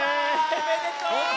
おめでとう！